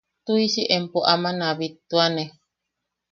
Tuʼisi empo aman a bittuane...